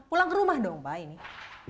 pulang ke rumah dong pak ini